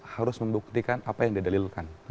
harus membuktikan apa yang didalilkan